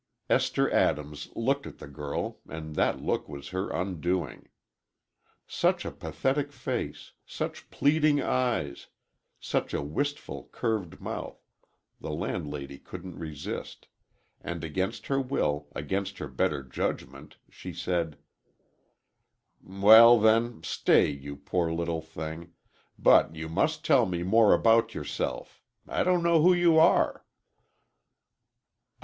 Esther Adams looked at the girl and that look was her undoing. Such a pathetic face, such pleading eyes, such a wistful curved mouth, the landlady couldn't resist, and against her will, against her better judgment, she said, "Well, then, stay, you poor little thing. But you must tell me more about yourself. I don't know who you are."